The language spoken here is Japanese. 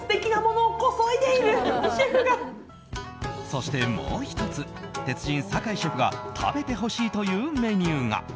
そして、もう１つ鉄人・坂井シェフが食べてほしいというメニューが。